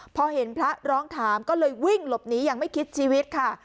พอเห็นพระร้องถามก็เลยวิ่งหลบหนีอย่างไม่คิดชีวิตค่ะ